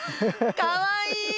かわいい！